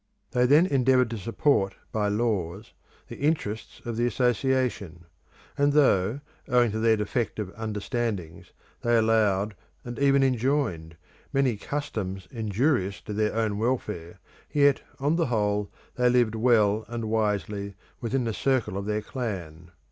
They then endeavoured to support by laws the interests of the association; and though, owing to their defective understandings, they allowed, and even enjoined, many customs injurious to their own welfare, yet, on the whole, they lived well and wisely within the circle of their clan.